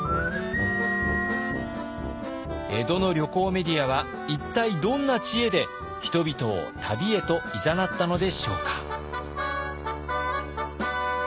江戸の旅行メディアは一体どんな知恵で人々を旅へといざなったのでしょうか？